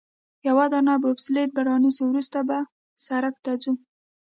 یوه دانه بوبسلیډ به رانیسو، وروسته به سړک ته ووځو.